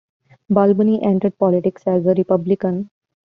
Balboni entered politics as a Republican.